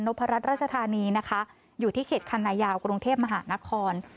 พรัชราชธานีนะคะอยู่ที่เขตคันนายาวกรุงเทพมหานคร